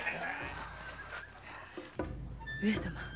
上様。